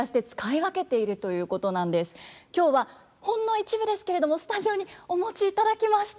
今日はほんの一部ですけれどもスタジオにお持ちいただきました。